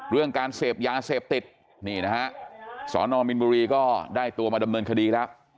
เรื่องการเสพยาเสพติดนี่นะฮะสอนอมินบุรีก็ได้ตัวมาดำเนินคดีแล้ว